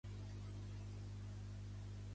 Com ha actuat JxCat?